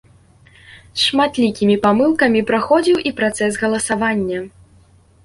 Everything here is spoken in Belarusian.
З шматлікімі памылкамі праходзіў і працэс галасавання.